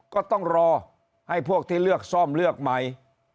ก็ต้องรอให้พวกที่เลือกซ่อมเลือกใหม่